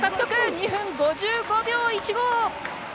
２分５５秒１５